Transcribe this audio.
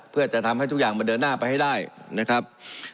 เพื่อจะทำให้ทุกอย่างมันเดินหน้าไปให้ได้นะครับ